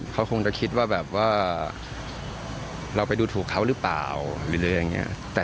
เขาคงจะคิดว่าแบบว่าเราไปดูถูกเขาหรือเปล่าหรืออะไรอย่างนี้